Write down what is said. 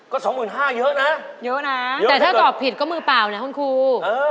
ก็๒๕๐๐เยอะนะเยอะนะแต่ถ้าตอบผิดก็มือเปล่านะคุณครู